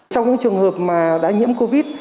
trong những trường hợp đã nhiễm covid